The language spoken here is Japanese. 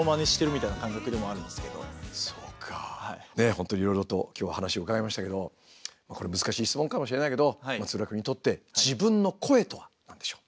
本当にいろいろと今日は話を伺いましたけどもこれ難しい質問かもしれないけど松浦君にとって自分の声とは何でしょう？